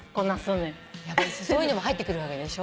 そういうのも入ってくるわけでしょ。